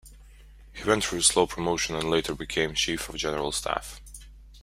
He went through a slow promotion and later became Chief of General Staff.